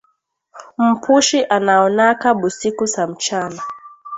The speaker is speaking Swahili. Mpushi anaonaka busiku sa mchana